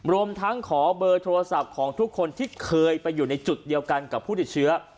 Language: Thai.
รวมทั้งขอเบอร์โทรศัพท์ของทุกคนที่เคยไปอยู่ในจุดเดียวกันกับผู้ติดเชื้อ